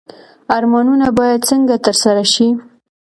ارمانونه باید څنګه ترسره شي؟